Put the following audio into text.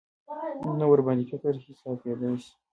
نه ورباندې فکري حساب کېدای شي.